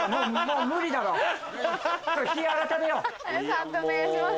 判定お願いします。